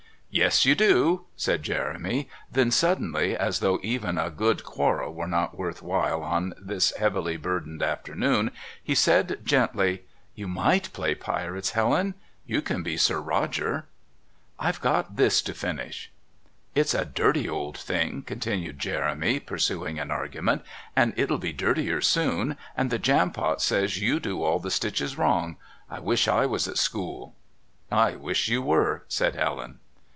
"Yes, you do," said Jeremy, then suddenly, as though even a good quarrel were not worth while on this heavily burdened afternoon, he said gently: "You might play Pirates, Helen. You can be Sir Roger." "I've got this to finish." "It's a dirty old thing," continued Jeremy, pursuing an argument, "and it'll be dirtier soon, and the Jampot says you do all the stitches wrong. I wish I was at school." "I wish you were," said Helen.